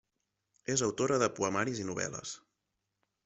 És autora de poemaris i novel·les.